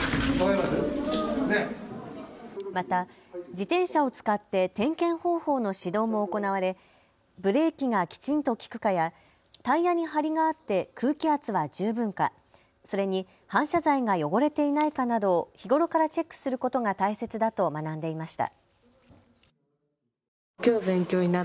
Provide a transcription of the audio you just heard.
また、自転車を使って点検方法の指導も行われブレーキがきちんと利くかやタイヤに張りがあって空気圧は十分か、それに反射材が汚れていないかなどを日頃からチェックすることが大切だと学んでいました。